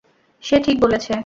সে ঠিক বলেছে।